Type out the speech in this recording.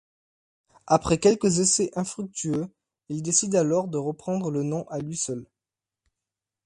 Après quelques essais infructueux, il décide alors de reprendre le nom à lui seul.